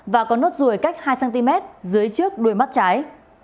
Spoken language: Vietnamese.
và có nốt ruồi cách hai cm dưới trước đuôi mắt trái